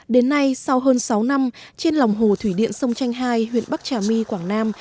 đến nay sau hơn sáu năm trên lòng hồ thủy điện sông chanh hai huyện bắc trà my quảng nam